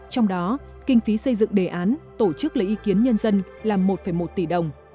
trong đó kinh phí xây dựng đề án tổ chức lấy ý kiến nhân dân là một một tỷ đồng